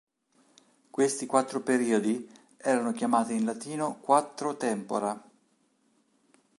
Questi quattro periodi erano chiamati in latino "Quattro tempora".